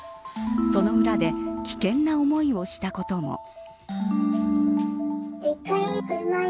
その裏で危険な思いをしたことも。